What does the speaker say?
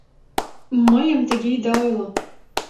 — Мыйым тыге ида ойло...